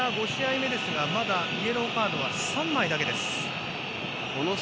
５試合目ですがまだイエローカードは３枚だけです。